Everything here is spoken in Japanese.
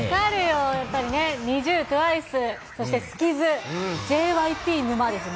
やっぱりね、ＮｉｚｉＵ、ＴＷＩＣＥ、そしてスキズ、ＪＹＰ沼る。